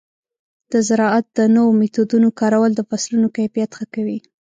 د زراعت د نوو میتودونو کارول د فصلونو کیفیت ښه کوي.